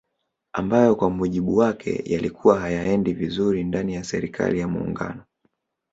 Ambayo kwa mujibu wake yalikuwa hayaendi vizuri ndani ya serikali ya Muungano